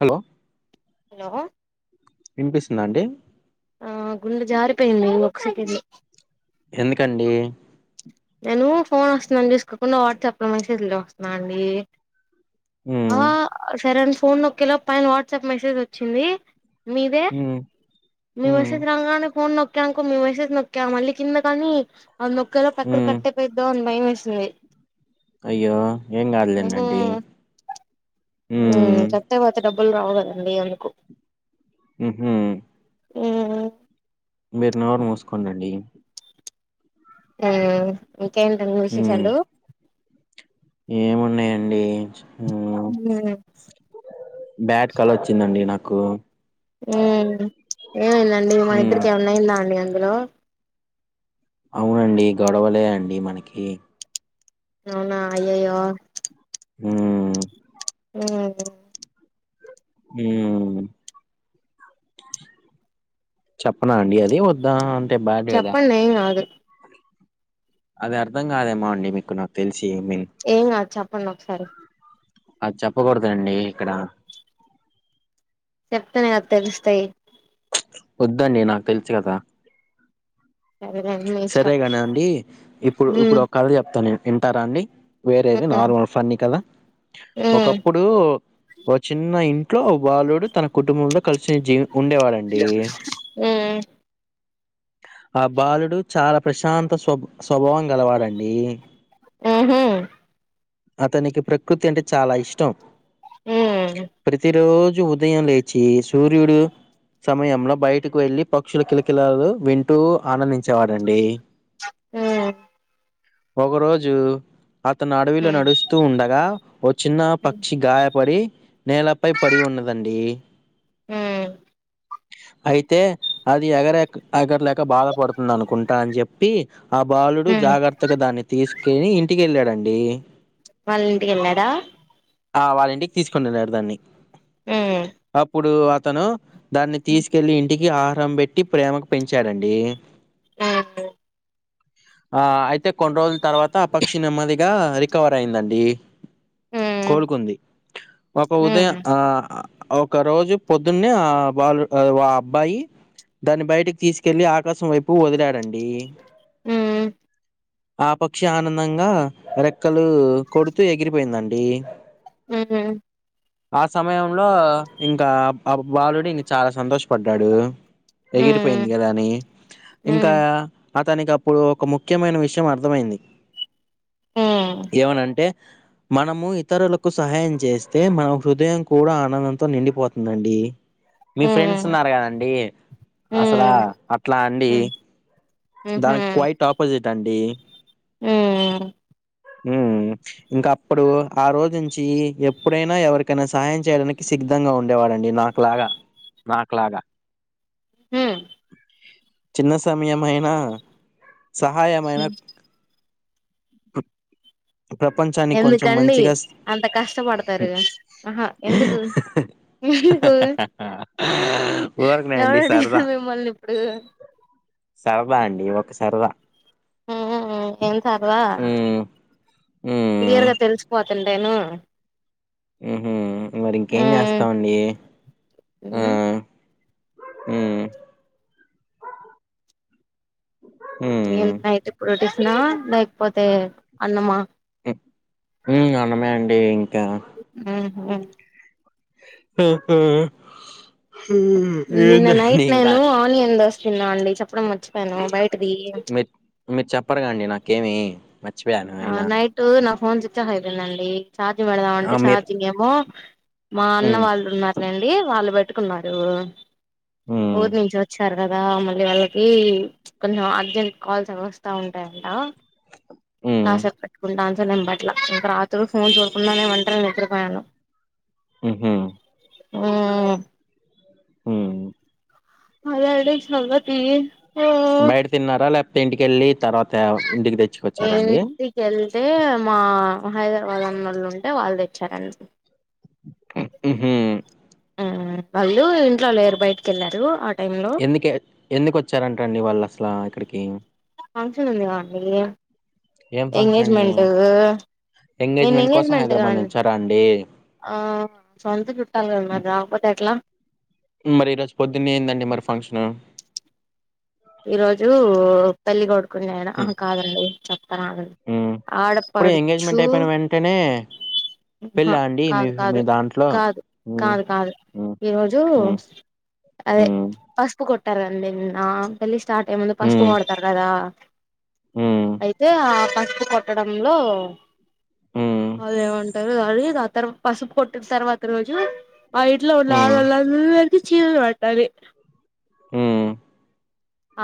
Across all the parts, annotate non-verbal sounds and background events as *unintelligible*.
Hello hello నిపిస్తుంద అండి ఆ గుండె జారిపోయింది ఒక సేకండు ఎందుకండి నేను ఫోన్ వస్తుందని చూసుకోకుండా వాట్సాప్ లో మే సే జ్ లు చుస్తున్నా అండి ఉమ్ ఆ సరన్ ఫోన్ నొక్కే లోపు పైన వాట్సాప్ మెసేజ్ వచ్చింది మీదే ఉమ్ మీ ఉమ్ మెసేజ్ రంగానే ఫోన్ నొక్ క్కినాంకో మి మేసేజ్ నొక్కా మళ్ళి కింద కానీ ఆద్ నొక్కెలోప్ ఇక్కడ ఉమ్ కట్టే పెద్ద గుంద్ భయమేసింది అయ్యో ఏం కాదులేండండి హుమ్ ఉమ్ చేతేపోతె డబ్బులు రావు కదండి అందుకు మ్ హు మ్మ్ మీరు నోరు మూసుకోండండి మ్మ్ కేంటన్ ఉమ్ విశేషాలు ఏమున్నాయండి హు బ్యాట్ కల వచ్చిందండి నాకు హు ఏమైందండి మన ఉమ్ ఇద్దరికి ఏమన్నాయిందా అండి అ లో అవునండి గొడవలే అండి మనకి అవునా అయ్యయ్యో హు ఊ ఉమ్ చెప్పనా అండి అది వద్దా బ్యాడ్ కదా చెప్పండి ఎంకాదు అది అర్థం కాదేమో అండి మీకు నాకు తెల్స్ ఏం కాద్ చెప్పండి ఒకసారి అద్ చెప్పకూడదండి ఇక్కడ చెప్తనే కద తెలుస్తయ్ వద్దండి నాకు తెలుసు కదా సరేలేండి మీ ఇష్టం సరేగాని అండి ఇప్పుడు మ్మ్ ఇప్పుడు ఒక కథ చెప్తా నేన్ వింటార అండి వేరేది మ్మ్ నార్మల్ ఫన్ని కథ మ్మ్ ఒకప్పుడు ఓ చిన్న ఇంట్లో ఓ బాలుడు తన కుటుంబంలో కలిసిన్ జీవ్ ఉండేవాడండి మ్మ్ ఆబ్ బాలుడు చాలా ప్రశాంత స్వబ్ స్వభావం గలవాడండి. ఉహు అతనికి ప్రకృతి అంటే చాలా ఇష్టం. మ్మ్ ప్రతిరోజ్ చి ఉదయం లేచి, సూర్యుడు సమయంలో బయటకు వెళ్ళి పక్షుల కిలకిలాలు వింటూ ఆనందించేవాడండి హూ ఒక రోజు అతను అడవిలో నడుస్తూ ఉండగా ఓ చిన్న మ్మ్ పక్షి గాయపడి నేలపై పడి ఉన్నదండి. హు అయితే అది ఎగరేక్ ఎగరలేక బాద పడుతుంది అనుకుంటా అని చెప్పి ఆ బాలుడు మ్మ్ జాగర్తగా దాన్ని తీసు కేనీ ఇంటికెళ్ళాడండి. వాళ్ళింటికి ఎళ్ళాడా? తీసుకుని ఆది ఆడ్ దాన్ని అప్పుడు ఆ తను దాన్ని తీసుకెళ్ళి ఇంటికి ఆ హరం పెట్టి, ప్రేమకు పెంచాడండి. ఆహ్ ఆ అయితే కొన్ని రోజులు తర్వాత ఆ పక్షి నెమ్మదిగా రికవర్ అయిందండి. మ్మ్ కోలుకుంది ఒక ఉదయ మ్మ్ ఆ ఒక రోజు పొద్దున్నే ఆ బాలుడు ఆ అబ్బాయి దాన్ని బయటకి తీసుకెళ్ళి ఆ కాసం వైపు వదిలాడండి ఉ ఆ పక్షి ఆనందంగా రెక్ క్కలు కొడుతూ ఎగిరిపోయిందండి మ్మ్ ఆ సమయంలో ఇంక ఆ బాలుడు ఇంగ చాలా సంతోషపడ్డాడు మ్మ్ మ్మ్ ఎగిరిపోయింది గదా అని మ్మ్ ఇంకా మ్మ్ అతనికి అప్పుడు ఒక ముఖ్యమైన విషయం అర్థమైంది మ్మ్ ఏమని అంటే మనము ఇతరులకు సహాయం చేస్తే మన హృదయం కూడా ఆనందంతో నిండిపోతుందండి మీ ఫ్రెండ్స్ ఉన్నారు గదండి అసలా ఇట్లా అండి మ్మ్ దానికి కువైట్ ఆపోజిట్ అండి మ్మ్ ఉ ఇంక అప్పుడు ఆ రోజు నుంచి ఎప్పుడైనా ఎవరికైనా సహాయం చేయడానికి సిద్ధంగా ఉండేవాడు అండి నాకు లాగా నాకులాగా మ్మ్ చిన్న సమయం అయినా సహాయమైన మ్మ్ హు ఎందుకండి అంత కష్టబడతారు ఆహా ఎందుకు ఎందుకు ఊరకనే అండి ఎవరు సరదా అడిగారు మిమ్మల్ని ఇప్పుడు సరదా అండి ఒక సరదా హు ఏం సరదా ఉమ్ ఉమ్ క్లియర్ గా తెలిసిపోద్ ఉంటేను ఉహూ హూ మరి ఇంకేం చేస్తామండి హూ ఉ ఉమ్ ఏం అయితే ఫూడీస్ నా లాక్ పోతే అన్నమ ఉమ్ ఉమ్, అన్నమే అండి ఇంకా ఆ ఆ హుహు నిన్న నైట్ నేను ఆనియన్ దోస్ చిన్నా అండి చెప్పడం మచ్చి మీర్ మీరు చెప్పరుగా అండి నాకేమి మర్చిపోయాను ఆ అయినా నైటూ న ఫోన్ స్విచ్ ఆఫ్ ఐపెందండి ఛార్జింగ్ పెడ్దాం ఆ అంటే మీరు ఛార్జింగ్ ఏమో మా అన్న మ్మ్ వాళ్ళు ఉన్నరులేండి వాళ్ళు బె పెట్టుకున్నారూ మ్మ్ ఊరు నించి ఒచ్చారు కదా మళ్ళీ వాళ్ళకీ కొంచెం అర్జెంట్ కాల్స్ అ ఒస్తా ఉంటాయంట *inaudible* కాసెప్ పెట్టుకుంటా అం పట్ల ఇంకా రాత్రోడు ఫోన్ చూడకుండానే ఒంటరిగా నిద్రపోయాను ఉహు ఊ హు అదండి నత్ ఈ ఊ బయట తిన్నారా లేకపోతే ఇంటికి ఎళ్ళి తర ఈన్టీకెళ్తె మా హైద వాళ్ళన్నోల్లుంటే వాళ్ళు తెచ్చారండి ఉహు ఆ వాళ్ళు ఇంట్లో లేరు బయటికిళ్ళారు ఎందుకె ఎందుకు ఒచ్చారంటండి వాళ్ళు అస్లా కిడికి ఫంక్షన్ ఉంది మాకి ఏం ఫంక్షన్ అండి ఎంగేజ్మెంటూ నేను కోసం ఎంగేజ్మెంట్ హైదరాబాద్ కాడి నుంచారా అండి సొంత చుట్టాల్ గద మరి రాకపోతే ఎట్లా మరి ఈరోజ్ పొద్దున్నె ఏందండి మరి ఫంక్షన్ ఈ రోజూ పెల్లిగొడ్ కొన్నాయ ఆ కాదండి చెప్తానాగడ్ మ్మ్ ఇప్పుడు ఆడపడుచు ఎంగేజ్మెంట్ అయిపోయిన వెంటనే హా పెళ్ళా అండి కాదు మీ మీ కాదు దాంట్లో కాదు మ్మ్ కాదు కాదు మ్మ్ ఈరోజూ మ్మ్ అదే హ్మ్. పసుపు కొట్ తరండి నా పెలిస్ స్టార్ట్ అయి ముందు పస్పు హ్మ్. కొడ్తారు గదా హ్మ్. ఐతే ఆ ప స్పు కొట్టడంలో హ్మ్. వాళ ఏమంటారు అది కా ఆ తర్వా పసుపు కొట్టిన తర్వాత రోజు ఆ ఇంట్లొ హ్మ్. అడాలందర్ చివ వట్టాలి ఊ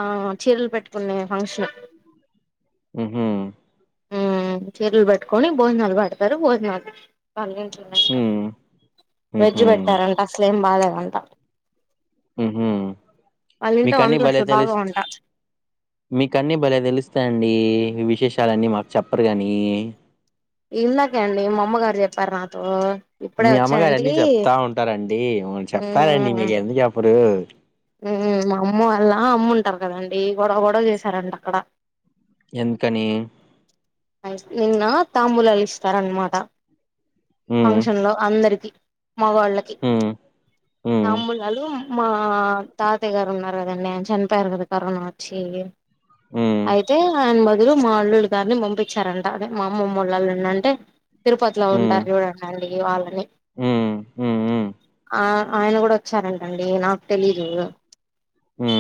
ఆ చీరలు పెట్టుకునే ఫంక్షను ఉహు ఉ చీరల్ పెట్టుకని భోజనాలు పెడ్తారు భోజనాలు హ్మ్. వెజ్జ్ హుహు. పెట్టారంట అసలు ఏం బాలే అంట హ్మ మీకన్ని వంటలు భలే అసలు తెలుస బాగోవంట మీకన్ని భలే తెలుస్తాయండి విశేషాలన్నీ మాకు చెప్పరుగాని ఇందాకే అండి మా అమ్మగారు చెప్పారు నాతో ఇప్పుడే మీ అమ్మగారు వచ్చానంటీ అన్ని చెప్తా ఉంటారండి చెప్తారండి మీకు ఎందుకు చెప్పరు హ్మ మా అమ్మ వాళ్ళ అమ్మ ఉంటారు కాదండీ గొడవ గొడవ చేశారంట అక్కడ ఎందుకని నిన్న తాంబూలాలు ఇస్తార అనమాట హ్మ్. ఫంక్షన్ లో అందరికి మవాళ్ళకి హ్మ్. హ్మ్. తంబూలాలు మా తత్తయ్య గారు ఉన్నారు కదండి ఆయన చనిపోయారు కదా కరోనా వచ్చి హ్మ్. అయితే అన్బ ఎరు మా అల్లులు గారిని పంపించారంట అదే మా అమ్మమ్మ వాళ్ళ అల్లుని అంటే తిరుపతిలో ఉంటారు చూడండి *unintelligible* వాళ్ళని హ్మ హ్మ హ్మ హ్మ ఆ ఆయన కూడా వచ్చారంటండి నాకు తెలీదు హ్మ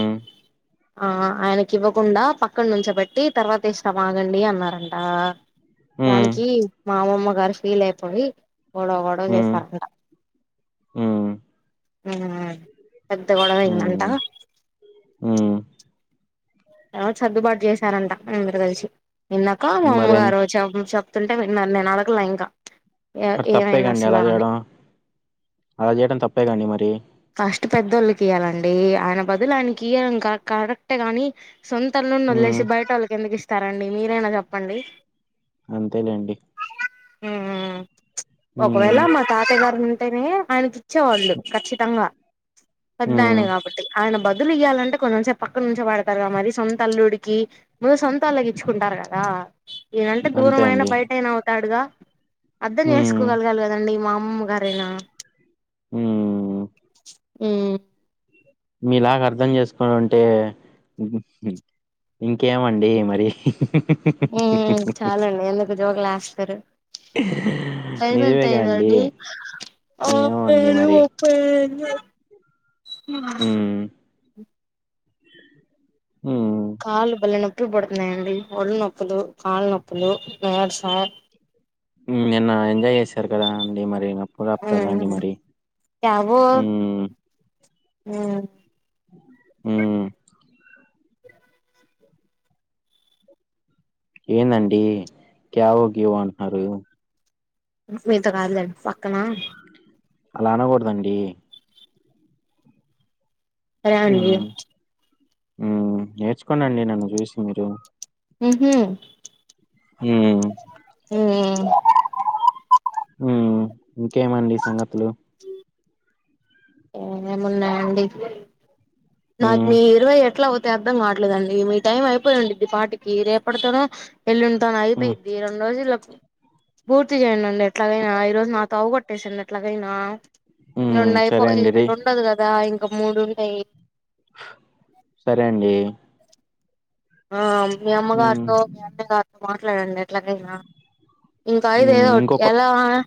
ఆ ఆయనకి ఇవ్వకుండా పక్కన నుంచ పెట్టి తర్వాత ఇస్తా ఆగండి అన్నారంట హ్మ్. దానికి మా అమ్మమ్మ గర్ ఫీల్ అయిపోయి గొడవ గొడవ హ్మ్. హ్మ్. చేశారంట హ్మ్. ఆ పెద్ద గొడవ అయిన్ హ్మ్. హ్మ్. ఎ సర్దుబాటు చేశారంట అందరూ కలిసి ఇందాక మా అమ్మ మరెన్ గారు *unintelligible* తుంటే వినాన్ నేను అడగలే ఇంకా ఏ మరి తప్పే ఏమైంది కండి అసలు అలా అని చేయడం అలా చేయడం తప్ప అంతేగా అండి మరి ఫస్ట్ పెద్దోళ్ళుకి ఇయాలండి ఆయన బదులు ఆయనకి ఇయాడం క కరెక్టే కాని సొంత అల్లుని హ్మ్. వదిలేసి బయటళ్ళకి ఎందకి ఇస్తం సరండి మీరేనా చెప్పండి అంతేలేండి ఉ ఉ ఉ ఒకవేళ మా తాతగారి నేనే ఆయనకి ఇచ్చేవాళ్ళు ఖచ్చితంగ పెద్ద హ్మ్. ఆయనే కాబట్టి ఆయన బదులు ఇయ్యాలంటే కొంచం సేపు పక్క నుంచ పడతారుగాద మరి సొంత అల్లుడికి ముందు సొంత వాళ్ళకి ఇచ్చుకుంటారు కదా ఏనంటే దూరం అంతే అయినా అండి. బయట అనా అవుతాడుగా అర్థం హ్మ్. చేసుకోగలగాలి కదండి మా హుమ్ గారేనా ఉమ్ ఉమ్ మీలాగ అర్థం చేసుకోని ఉంటే ఇంకేమండి మరి ఉ చాల అండి ఎందుకు జోకులేస్తారు టైమ్ ఎంత నిజమేగా అండి. అయిందండి ఏమో అండి ఆరు మరి. ముప్పై ఐదు న ఉ ఉమ్మ్ కాళ్ళు బలే నొప్పులు పెడుతున్నాయండి ఒళ్ళు నొప్పులు కాళ్లు నొప్పులు నీరస నిన్న ఎంజాయ్ చేశారు. కదా అండి మరి చెప్తారా అండి ఉమ్ మరి హ్మ్మ్ హుమ్ ఏందండి క్యావో గివో అంటున్నారు మీతో కాదు లేండి పక్కన అలా అనకూడదండి సరే అండి హూ నేర్చుకోండి అండి నన్ను చూసి మీరు ఉహూ హూ హ్మ్మ్ హు ఇంకేమండి ఈ సంగతి లు ఏమేం వున్నాయండి నాకు హ్మ్ ఈ ఇరవై ఎట్లా అర్థంవట్లేదండి మీ టైం అయిపోయి ఉంటది ఇ పాటికి రేపటితోనో ఎల్లుడితో హ్మ్ అయిపోయిద్ది రెండు రోజు ల్లో పూర్తి చేయడిండి ఎట్లాగైనా ఈ రోజు నా తవ కొట్టేసడి ఎట్లాగైనా హ్మ్ రొండుఐపో సరే యయ్ అండి ఇది రే రెండవది కదా ఇంకా ఒక మూడుంటాయ్. సరే అండి ఆ మీ అమ్మ హ్మ్ గారితో మీ అన్న గారి మాట్లాడండి ఏట్లగైన ఇంకా ఐదు ఏదోఓటి ఎలా మరి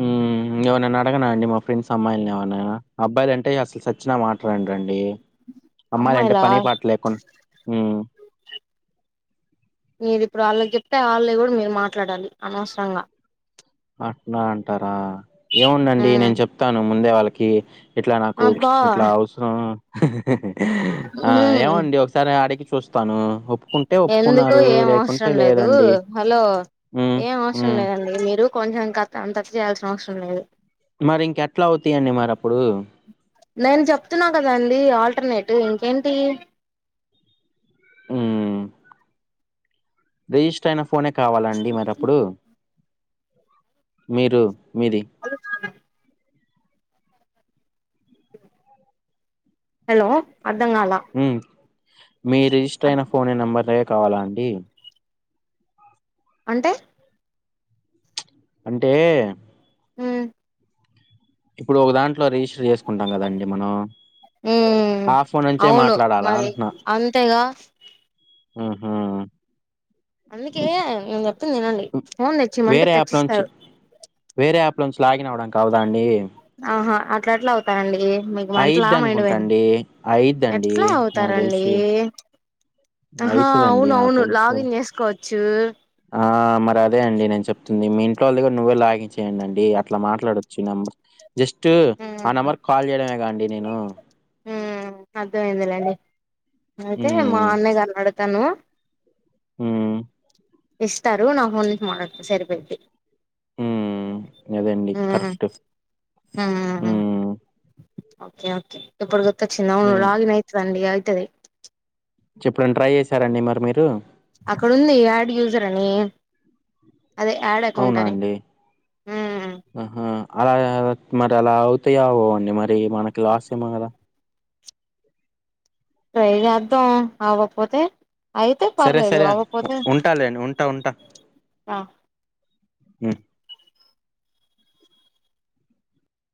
ఉం ఏవారినన్న అడగనా అండి మా ఫ్రెండ్స్ అమ్మాయిలని ఏవరినైన అబ్బాయిలు అంటే అసలు సచ్చిన మాట్లాడండి అమ్మాయిలు అంటే అమ్మాయిలా పని పాట లేకుండా ఉ మీరు ఇప్పుడు వాళ్ళకి చెప్తే వాళ్ల కూడా మీరు మాట్లాడాలి అనవసరంగా అట్నా అంటారా ఆ ఏముండండి నేను చెప్తాను ముందే వాళ్ళకి కి ఇట్లా నాకు అబ్బా ఇట్లా అవసరం *inaudible* ఆ ఉమ్ ఏమండి ఒకసారి ఆడికి చూస్తాను ఒప్పు ఎందుకు ఏం అవసరం లేదు హలో హ్మ్ ఏం అవసరం హ్మ్ లేదండి మీరు కొంచెం *unintelligible* అంత చేయాల్సిన అవసరం లేదు మరి ఇంక ఎట్లా అవుతాయండి మరి అప్పుడు నేను చెప్తున్నా కదాండి ఆల్టర్నేటివ్ ఇంకేంటి ఉమ్మ్ రిజిస్టర్ అయిన ఫోనే కావాలండి మరి అప్పుడు మీరు మీది హలో అర్థంకాలే హ్మ్. మీ రిజిస్ట అయిన ఫోనే నంబర్ లే కావాలా అండి అంటే అంటే ఉమ్మ్ ఇప్పుడు ఒక దాంట్లో రిజిస్టర్ చేసుకుంటాం కదండి మనం ఉ ఆ ఫోన్ నుంచే అవును మాట్లాడాలా మరి అంతేగా ఉమ్మ్ అందికే వ తినండి హ్మ్. ఫోన్ తెచ్చి మంటే తెచ్చిస్తారు లొంచి లాగిన్ అవ్వడానికి అవ్వదా అండి ఆహా అట్లా అట్లా అవుతాయండి అయిద్దనుకుంటాండి అయిద్దండి నాకు తెలిసి ఆహ అయితదండి నాకు అవునవును తెలిసి. లాగిన్ చేసుకోవచ్చు ఆ! మరి అదే అండి నేను చెప్తుంది మీ ఇంట్లో వాళ్ళది కూడ నువ్వే లాగిన్ చేయయండి అండి అట్లా మాట్లాడోచ్చు ఈ నెంబర్ జస్ట్ ఆ నెంబర్ కాల్ చేయడమే కా అండి నేను హు అర్థమైందిలేండి అయితే మా హ్మ్. అన్నయ్య గారిని అడ్ తాను హు ఇస్తారు నా ఫోన్ నుంచి మాట్లాడుత సరిపోఇద్ది హు అదేండి ఉమ్ కరెక్ట్ హు ఉమ్ ఓకే ఓకే ప్పుడు చ్చనవ్ లాగిన్ అయితదండి అద్ తది చెప్పడన్న ట్రై చేశార అండి మరి మీరు అక్కడ ఉంది యాడ్ యూజర్ అని అదే యాడ్ అకౌంట్ అవునా అదే అండి? హ్మ్ ఆహా! అలా ఏ మరి అలా అవుతాయే అవ్వవో అండి మరి మనకి లాస్ ఏమో కదా ట్రై చేద్దాం ఆవ్వకపోతే సరే సరే ఉంటా లేండి ఉంటా ఉంటా ఆ హ్మ్